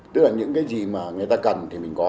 tức là những cái gì mà người ta cần thì mình có